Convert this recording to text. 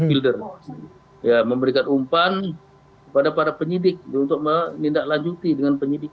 ya memberikan umpan pada para penyidik untuk menindaklanjuti dengan penyidikan